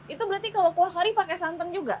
itu berarti kalau kuah kari pakai santan juga